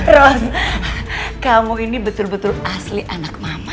ron kamu ini betul betul asli anak mama